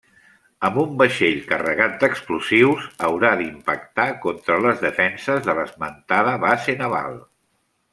Amb un vaixell carregat d'explosius haurà d'impactar contra les defenses de l'esmentada base naval.